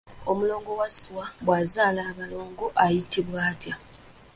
Omulongo Wasswa bw'azaala abalongo ayitibwa atya?